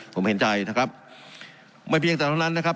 ผมเห็นใจนะครับไม่เพียงแต่เท่านั้นนะครับ